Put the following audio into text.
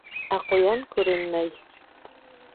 Ә ҡуян күренмәй.